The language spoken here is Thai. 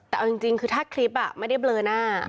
แต่เอาจริงคือถ้าคลิปไม่ได้เบลอหน้า